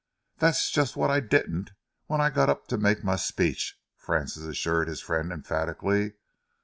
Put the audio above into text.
"That's just what I didn't when I got up to make my speech," Francis assured his friend emphatically.